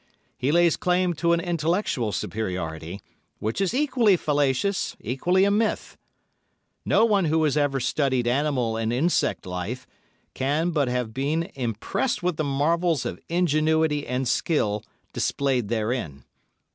He lays claim to an intellectual superiority, which is equally fallacious, equally a myth. No one who has ever studied animal and insect life can but have been impressed with the marvels of ingenuity and skill displayed therein.